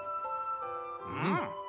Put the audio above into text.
うん。